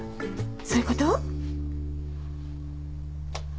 そういうこと？